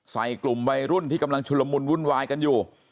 ใส่กลุ่มวัยรุ่นที่กำลังชุลมุนวุ่นวายกันอยู่